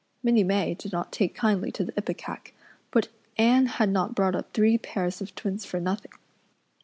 Minnie May did not take kindly to the ipecac but Anne had not brought up three pairs of twins for nothing.